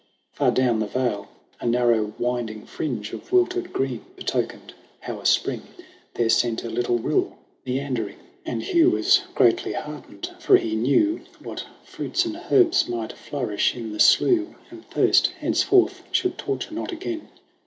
Far down the vale a narrow winding fringe Of wilted green betokened how a spring There sent a little rill meandering; 62 SONG OF HUGH GLASS And Hugh was greatly heartened, for he knew What fruits and herbs might flourish in the slough, And thirst, henceforth, should torture not again.